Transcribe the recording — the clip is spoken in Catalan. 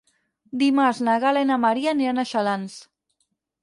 Dimarts na Gal·la i na Maria aniran a Xalans.